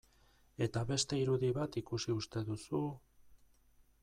Eta beste irudi bat ikusi uste duzu...